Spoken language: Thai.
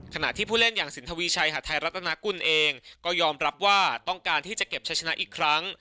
ขณะที่ผู้เล่นอย่างสินทวีชัยหาดไทยรัฐนากุลเองก็ยอมรับว่าต้องการที่จะเก็บใช้ชนะอีกครั้ง